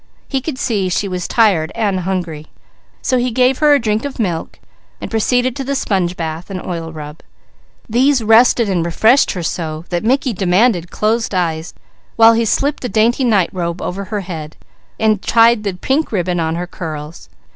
He could see she was tired and hungry, so he gave her a drink of milk, and proceeded to the sponge bath and oil rub. These rested and refreshed her so that Mickey demanded closed eyes, while he slipped the dainty night robe over her head, and tied the pink ribbon on her curls.